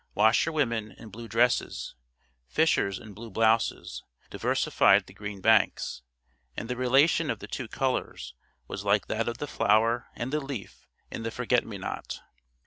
Washerwomen in blue dresses, fishers in blue blouses, diversified the green banks; and the relation of the two colours was like that of the flower and the leaf in the forget me not.